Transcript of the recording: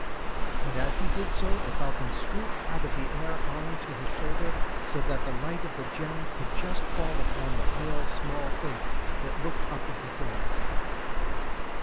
As he did so the falcon swooped out of the air on to his shoulder, so that the light of the gem could just fall upon the pale small face that looked up into his.